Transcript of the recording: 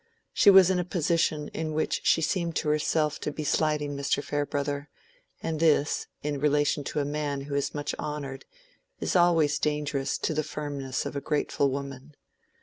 She was in a position in which she seemed to herself to be slighting Mr. Farebrother, and this, in relation to a man who is much honored, is always dangerous to the firmness of a grateful woman.